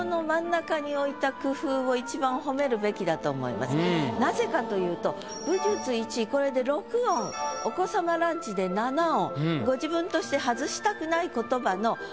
まずあの「薫風」というなぜかというと「武術一位」これで６音「お子様ランチ」で７音。